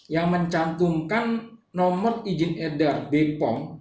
yang mencantumkan nomor izin edar bepom